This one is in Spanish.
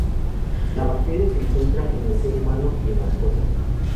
La bacteria se encuentra en el ser humano y en mascotas.